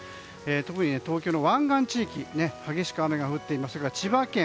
特に東京の湾岸地域激しく雨が降っていますがそれから千葉県、